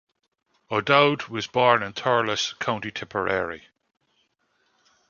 O'Dowd was born in Thurles, County Tipperary.